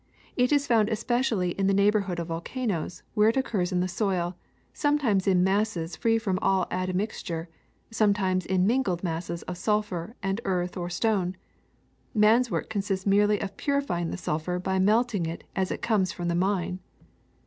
It is found especially in the neighborhood of volcanoes, where it occurs in the soil, sometimes in masses free from all admixture, sometimes in mingled masses of sulphur and earth or stone. Man's work consists merely in purifying the sulphur by melting it as it comes from the mine.